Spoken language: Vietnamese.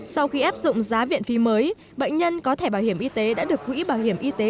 sau khi áp dụng giá viện phí mới bệnh nhân có thẻ bảo hiểm y tế đã được quỹ bảo hiểm y tế